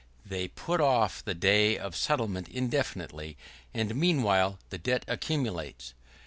They put off the day of settlement indefinitely, and meanwhile the debt accumulates.